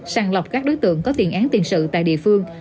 sàng lọc các đối tượng có tiền án tiền sự tại địa phương